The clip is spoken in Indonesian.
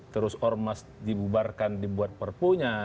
terus ormas dibubarkan dibuat perpunya